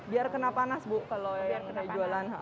biar kena panas bu kalau yang kena jualan